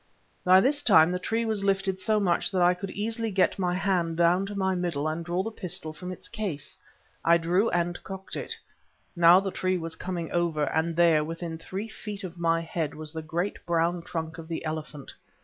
By this time the tree was lifted so much that I could easily get my hand down to my middle and draw the pistol from its case. I drew and cocked it. Now the tree was coming over, and there, within three feet of my head, was the great brown trunk of the elephant.